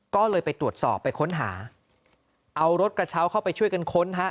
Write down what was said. ก็เลยไปตรวจสอบไปค้นหาเอารถกระเช้าเข้าไปช่วยกันค้นฮะ